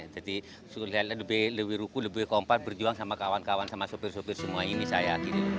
jadi lebih ruku lebih kompat berjuang sama kawan kawan sama sopir sopir semua ini saya